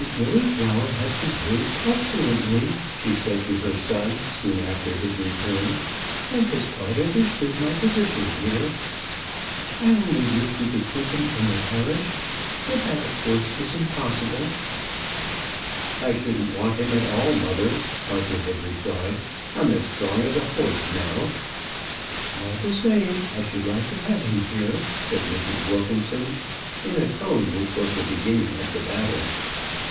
Gilliflower has behaved excellently," she said to her son, soon after his return; "and has quite understood my position here. I only wish we could keep him in the parish; but that, of course, is impossible." "I shouldn't want him at all, mother," Arthur had replied. "I am as strong as a horse now." "All the same; I should like to have him here," said Mrs. Wilkinson, in a tone which was the beginning of the battle.